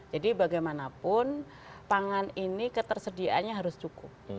bagaimanapun pangan ini ketersediaannya harus cukup